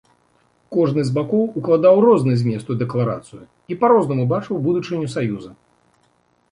Кожны з бакоў укладаў розны змест у дэкларацыю і па-рознаму бачыў будучыню саюза.